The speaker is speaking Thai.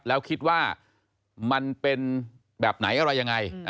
แล้วคิดว่ามันเป็นแบบไหนอะไรยังไง